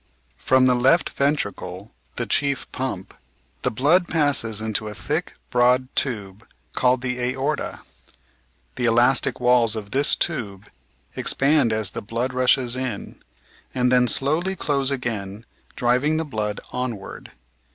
From the left ventricle, the chief pirnip, the blood passes into a thick broad tube called the aorta. The elastic walls of this tube expand as the blood rushes in, and then slowly close again, driving the blood onward.